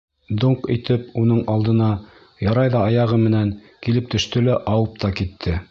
Доңҡ итеп уның алдына, ярай ҙа аяғы менән, килеп төштө лә, ауып та китте.